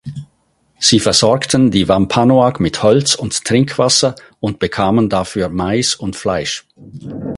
Sie versorgten die Wampanoag mit Holz und Trinkwasser und bekamen dafür Mais und Fleisch.